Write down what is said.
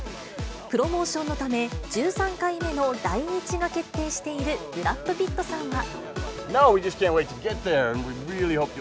プロモーションのため、１３回目の来日が決定しているブラッド・ピットさんは。